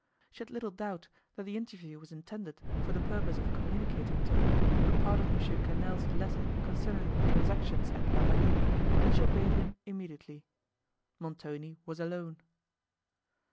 She had little doubt, that the interview was intended for the purpose of communicating to her a part of M. Quesnel's letter concerning the transactions at La Vallée, and she obeyed him immediately. Montoni was alone.